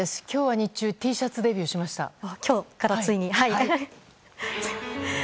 今日は日中Ｔシャツデビューしました。